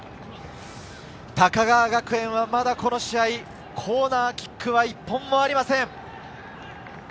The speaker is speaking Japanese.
高川学園はまだこの試合、コーナーキックは１本もありません。